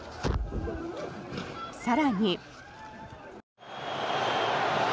更に。